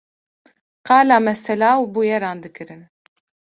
Qala mesela û bûyeran dikirin